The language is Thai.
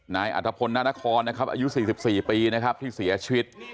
นายอัธพลนานครนะครับอายุ๔๔ปีนะครับที่เสียชีวิต